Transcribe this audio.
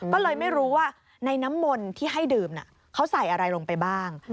ก็เลยไม่รู้ว่าในน้ำมนที่ให้ดื่มเขาใส่อะไรลงไปบ้าง